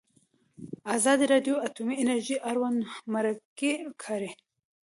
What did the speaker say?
ازادي راډیو د اټومي انرژي اړوند مرکې کړي.